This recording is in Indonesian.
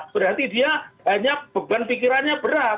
berarti dia hanya beban pikirannya berat